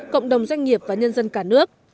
cộng đồng doanh nghiệp và nhân dân cả nước